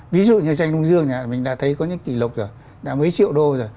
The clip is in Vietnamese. ví dụ như tranh đông dương mình đã thấy có những kỷ lục rồi đã mấy triệu đô rồi